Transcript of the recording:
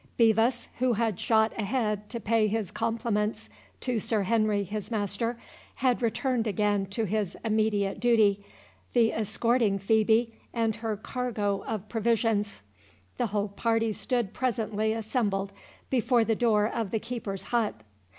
Bevis, who had shot a head to pay his compliments to Sir Henry his master, had returned again to his immediate duty, the escorting Phœbe and her cargo of provisions. The whole party stood presently assembled before the door of the keeper's hut.